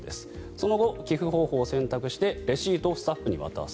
その後、寄付方法を選択してレシートをスタッフに渡す。